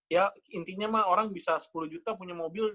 ya intinya mah orang bisa sepuluh juta punya mobil